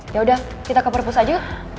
yaudah kita ke perpus aja